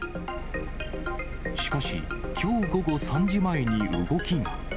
しかし、きょう午後３時前に動きが。